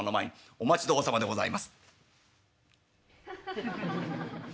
「お待ち遠さまでございます」。